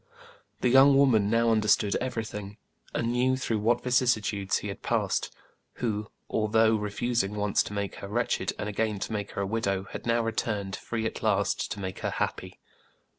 The young woman now understood every thing, and knew through what vicissitudes he had passed, who, although refusing once to make her wretched, and again to make her a widow, had now returned, free at last, to make her happy.